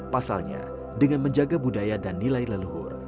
pasalnya dengan menjaga budaya dan nilai leluhur